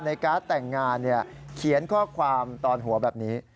การ์ดแต่งงานเขียนข้อความตอนหัวแบบนี้